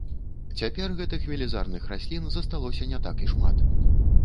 Цяпер гэтых велізарных раслін засталося не так і шмат.